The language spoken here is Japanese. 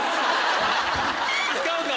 使うか？